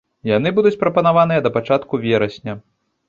Яны будуць прапанаваныя да пачатку верасня.